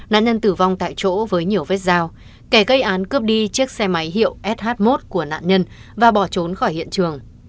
nạn nhân tử vong tại chỗ với nhiều vết dao kẻ gây án cướp đi chiếc xe máy hiệu sh một của nạn nhân và bỏ trốn khỏi hiện trường